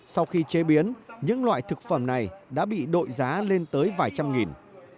sau khi chế biến những loại thực phẩm này đã bị đội giá lên tới vài trăm nghìn